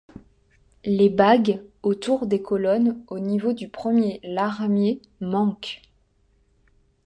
Les bagues autour des colonnes au niveau du premier larmier manquent.